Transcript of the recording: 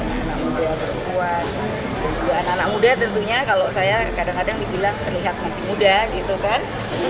pada saat itu anak anak muda berkuat dan juga anak anak muda tentunya kalau saya kadang kadang dibilang terlihat masih muda gitu kan